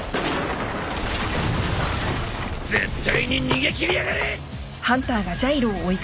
絶対に逃げ切りやがれ！